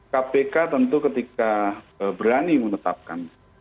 kpk tentu ketika berani menetapkan